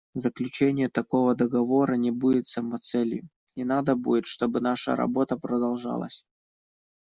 Заключение такого договора не будет самоцелью; и надо будет, чтобы наша работа продолжалась.